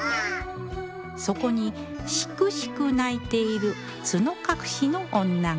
そこにしくしく泣いている角隠しの女が